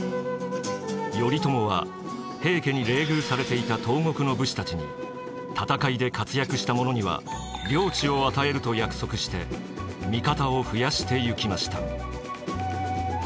頼朝は平家に冷遇されていた東国の武士たちに戦いで活躍した者には領地を与えると約束して味方を増やしてゆきました。